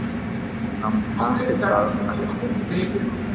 Omokãmokã hesay ha he'i